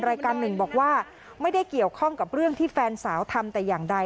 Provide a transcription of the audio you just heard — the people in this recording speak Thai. รายการหนึ่งบอกว่าไม่ได้เกี่ยวข้องกับเรื่องที่แฟนสาวทำแต่อย่างใด